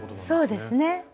そうですね。